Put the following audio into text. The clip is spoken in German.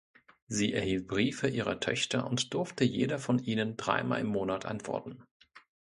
Sie erhielt Briefe ihrer Töchter und durfte jeder von ihnen dreimal im Monat antworten.